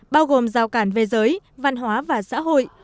bao gồm giao cản về giới văn hóa và xã hội